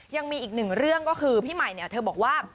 ยังมีอีกหนึ่งเรื่องก็คือพี่ใหม่เนี่ยเธอบอกว่า